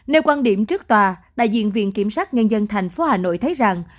nếu quan điểm trước tòa đại diện viện kiểm sát nhân dân thành phố hà nội thấy rằng